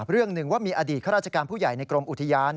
เรื่องหนึ่งว่ามีอดีตข้าราชการผู้ใหญ่ในกรมอุทยาน